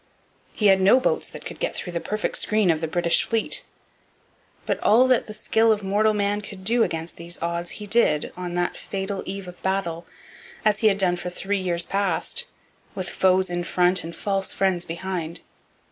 He had no boats that could get through the perfect screen of the British fleet. But all that the skill of mortal man could do against these odds he did on that fatal eve of battle, as he had done for three years past, with foes in front and false friends behind.